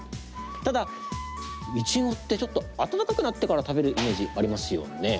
ただイチゴって、ちょっと暖かくなってから食べるイメージありますよね。